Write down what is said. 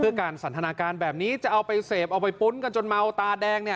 เพื่อการสันทนาการแบบนี้จะเอาไปเสพเอาไปปุ้นกันจนเมาตาแดงเนี่ย